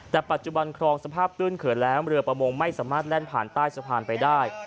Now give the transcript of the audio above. แต่ปัจจุบันคลองสภาพตื้นเขินแล้วเรือประมงไม่สามารถแล่นผ่านใต้สะพานไปได้